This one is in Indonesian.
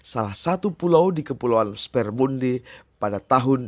salah satu pulau di kepulauan spermundi pada tahun dua ribu dua puluh